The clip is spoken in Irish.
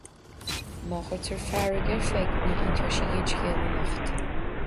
Má curtar fearg ar Pheig ní inseoidh sí aon scéal anocht.